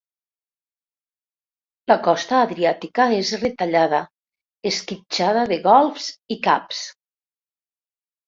La costa adriàtica és retallada, esquitxada de golfs i caps.